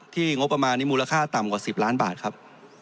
งบประมาณนี้มูลค่าต่ำกว่า๑๐ล้านบาทครับ